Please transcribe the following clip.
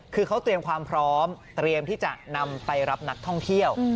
คือเขาเตรียมความพร้อมเตรียมที่จะนำไปรับนักท่องเที่ยว